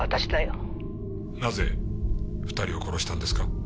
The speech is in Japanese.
なぜ２人を殺したんですか？